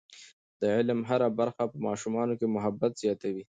د علم هره برخه په ماشومانو کې محبت زیاتوي.